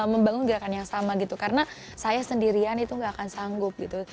membangun gerakan yang sama gitu karena saya sendirian itu gak akan sanggup gitu